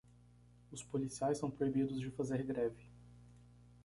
Os policiais são proibidos de fazer greve